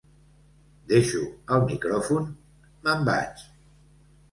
Deixo el micròfon, me"n vaig.